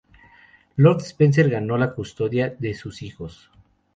Lord Spencer ganó la custodia de sus hijos.